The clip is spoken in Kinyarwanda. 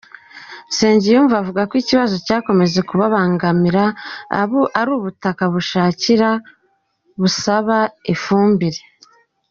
Nsengiyumva avuga ko ikibazo cyakomeje kubabangamira ari ubutaka busharira busaba ifumbire.